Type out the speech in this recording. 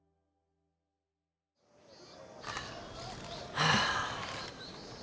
はあ。